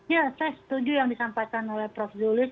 ya saya setuju yang disampaikan oleh prof zulis